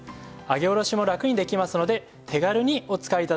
上げ下ろしもラクにできますので手軽にお使い頂けます。